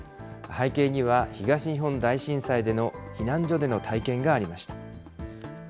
背景には、東日本大震災での避難所での体験がありました。